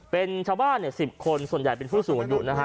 เป็นชาวบ้านเนี่ยสิบคนส่วนใหญ่เป็นผู้สูงอยู่นะฮะ